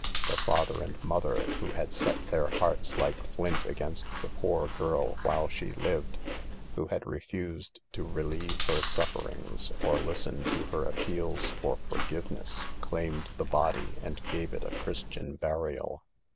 The father and mother, who had set their hearts like flint against the poor girl while she lived, who had refused to relieve her sufferings or listen to her appeals for forgiveness, claimed the body and gave it a Christian burial.